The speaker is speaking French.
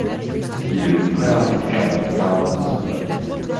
Il est le frère de Pernell Karl Subban.